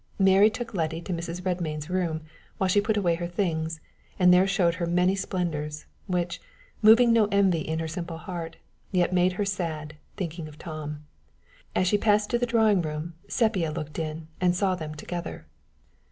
Mary took Letty to Mrs. Redmain's room while she put away her things, and there showed her many splendors, which, moving no envy in her simple heart, yet made her sad, thinking of Tom. As she passed to the drawing room, Sepia looked in, and saw them together.